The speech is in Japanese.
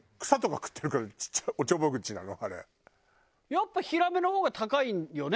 やっぱヒラメの方が高いよね？